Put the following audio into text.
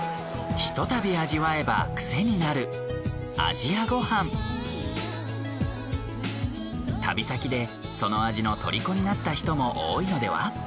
一たび味わえば癖になる旅先でその味の虜になった人も多いのでは。